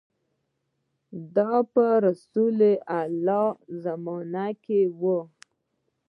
دا په رسول الله په زمانه کې و.